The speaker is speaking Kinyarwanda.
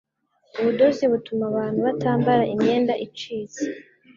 Ubudozi butuma abantu batambara imyenda icitse